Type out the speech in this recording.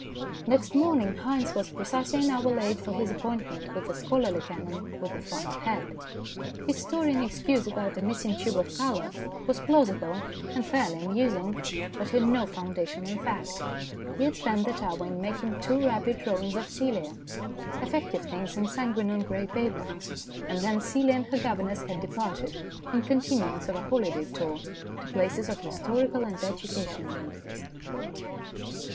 Next morning Haynes was precisely an hour late for his appointment with the scholarly canon with the fine head. His story in excuse about a missing tube of colour was plausible and fairly amusing, but had no foundation in fact. He had spent that hour in making two rapid drawings of Celia effective things in sanguine on grey paper. And then Celia and her governess had departed in continuance of a holiday tour to places of historical and educational interest.